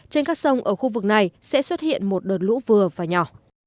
trên các sông ở khu vực này sẽ xuất hiện một đợt lũ vừa và nhỏ